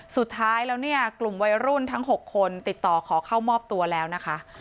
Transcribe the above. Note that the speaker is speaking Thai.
สุดท้ายแล้วเนี่ยกลุ่มวัยรุ่นทั้ง๖คนติดต่อขอเข้ามอบตัวแล้วนะคะ